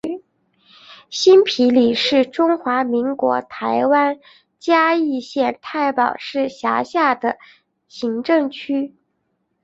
新埤里是中华民国台湾嘉义县太保市辖下的行政区。